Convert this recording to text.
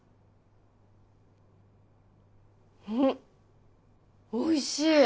うんおいしい！